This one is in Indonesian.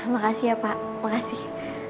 makasih ya pak makasih